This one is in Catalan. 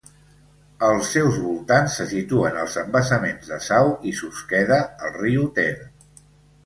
Als seus voltants se situen els embassaments de Sau i Susqueda, al riu Ter.